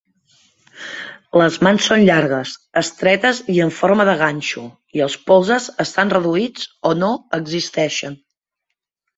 Les mans són llargues, estretes i en forma de ganxo, i els polzes estan reduïts o no existeixen.